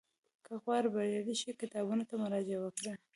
که غواړې بریالی شې، کتابونو ته مراجعه وکړه.